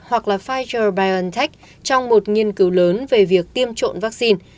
hoặc là pfizer biontech trong một nghiên cứu lớn về việc tiêm trộn vaccine